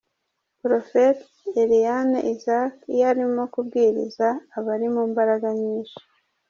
Prophetess Eliane Isaac iyo arimo kubwiriza aba ari mu mbaraga nyinshi.